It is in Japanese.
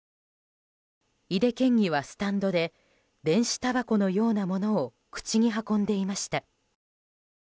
井手県議はスタンドで電子たばこのようなものを口に運んでいました。